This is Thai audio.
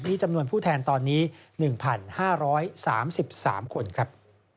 จำนวนผู้แทนตอนนี้๑๕๓๓คนครับ